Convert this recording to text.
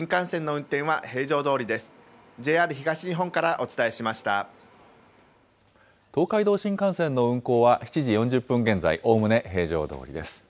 東海道新幹線の運行は７時４０分現在、おおむね平常どおりです。